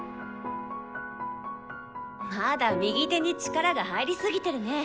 まだ右手に力が入りすぎてるね。